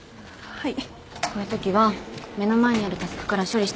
はい。